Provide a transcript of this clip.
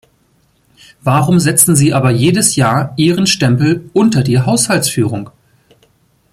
Warum setzen Sie aber jedes Jahr Ihren Stempel unter die Haushaltsführung?